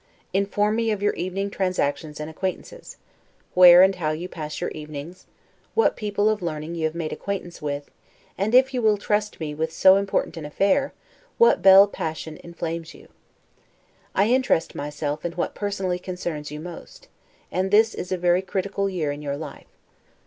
Inform me of your evening transactions and acquaintances; where, and how you pass your evenings; what people of learning you have made acquaintance with; and, if you will trust me with so important an affair, what belle passion inflames you. I interest myself most in what personally concerns you most; and this is a very critical year in your life.